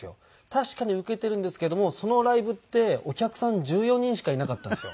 確かにウケているんですけどもそのライブってお客さん１４人しかいなかったんですよ。